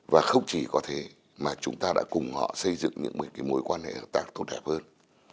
và không chỉ có thế mà chúng ta đã cùng họ xây dựng những mối quan hệ hợp tác tốt đẹp hơn